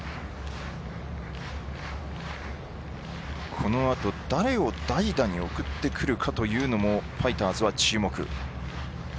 このあと誰を代打に送ってくるかというのもファイターズは注目。